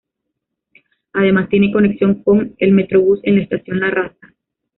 Además tiene conexión con el Metrobús en la estación La Raza.